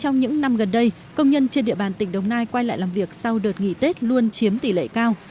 trong những năm gần đây công nhân trên địa bàn tỉnh đồng nai quay lại làm việc sau đợt nghỉ tết luôn chiếm tỷ lệ cao